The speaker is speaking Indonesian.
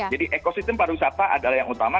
jadi ekosistem pariwisata adalah yang utama